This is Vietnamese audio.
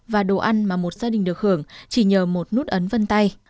và đồ ăn mà một gia đình được hưởng chỉ nhờ một nút ấn vân tay